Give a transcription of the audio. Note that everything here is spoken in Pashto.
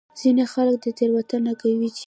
ځینې خلک دا تېروتنه کوي چې